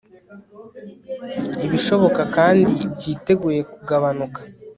ibishoboka kandi byiteguye kugabanuka